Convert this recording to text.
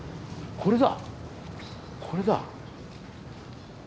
これだ。